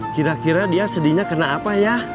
kira kira dia sedihnya kena apa ya